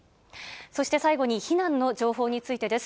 そして最後に避難の情報についてです。